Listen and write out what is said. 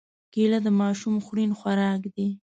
کېله د ماشوم خوړن خوراک دی.